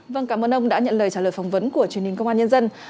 vâng cảm ơn ông đã nhận lời trả lời phỏng vấn của truyền hình công an nhân dân